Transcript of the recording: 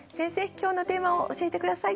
今日のテーマを教えて下さい。